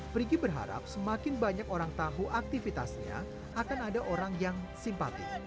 frigi berharap semakin banyak orang tahu aktivitasnya akan ada orang yang simpati